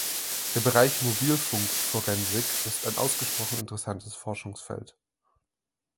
Der Bereich Mobilfunkforensik ist ein ausgesprochen interessantes Forschungsfeld.